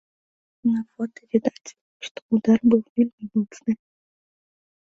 На фота відаць, што ўдар быў вельмі моцны.